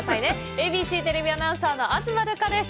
ＡＢＣテレビアナウンサーの東留伽です。